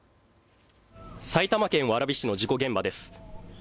埼玉県蕨市の事故現場です。